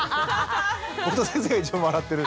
僕と先生が一番笑ってる。